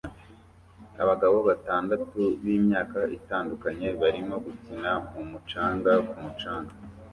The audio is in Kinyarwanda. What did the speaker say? Abagabo batandatu b'imyaka itandukanye barimo gukina mu mucanga ku mucanga